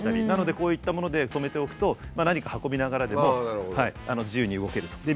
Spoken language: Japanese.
なのでこういったもので止めておくと何か運びながらでも自由に動けると。